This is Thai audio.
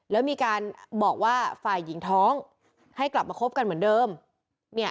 แล้วมีการบอกว่าฝ่ายหญิงท้องให้กลับมาคบกันเหมือนเดิมเนี่ย